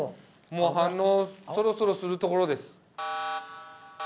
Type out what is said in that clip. もう反応そろそろする所です。